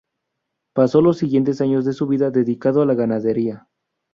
Pasó los siguientes años de su vida dedicado a la ganadería.